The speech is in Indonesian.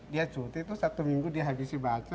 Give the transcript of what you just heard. dia cuti satu minggu dan habis baca